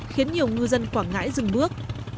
khiến nhiều ngư dân quảng ngãi dừng bước